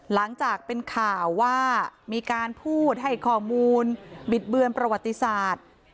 หลังจากเป็นข่าวว่ามีการพูดให้ข้อมูลบิดเบือนประวัติศาสตร์